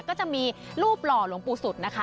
ก็จะมีรูปหล่อหลวงปู่สุดนะคะ